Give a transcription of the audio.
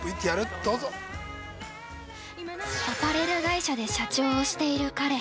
◆アパレル会社で社長をしている彼。